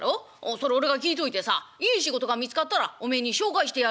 それ俺が聞いといてさいい仕事が見つかったらおめえに紹介してやるから」。